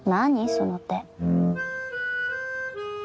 その手。